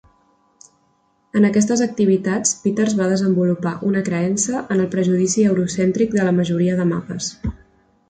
En aquestes activitats Peters va desenvolupar una creença en el prejudici euro-cèntric de la majoria de mapes.